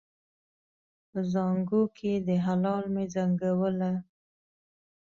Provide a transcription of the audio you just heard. په زانګو کې د هلال مې زنګوله